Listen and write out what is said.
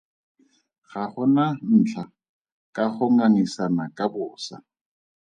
Ga go na ntlha ka go ngangisana ka bosa.